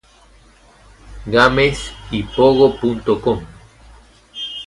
Games y Pogo.com